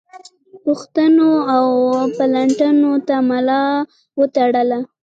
پوښتنو او پلټنو ته ملا وتړله.